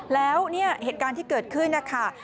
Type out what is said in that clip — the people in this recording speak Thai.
แล้วเนี่ยเหตุการณ์ที่เกิดขึ้นนะคะ